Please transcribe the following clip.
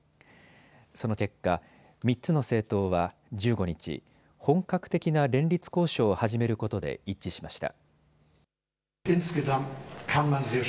その結果、３つの政党は１５日、本格的な連立交渉を始めることで一致しました。